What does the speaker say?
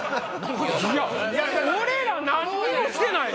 いや俺ら何にもしてない！